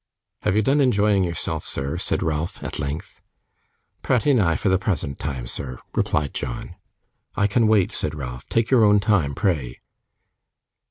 'Have you done enjoying yourself, sir?' said Ralph, at length. 'Pratty nigh for the prasant time, sir,' replied John. 'I can wait,' said Ralph. 'Take your own time, pray.